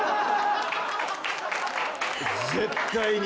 絶対に。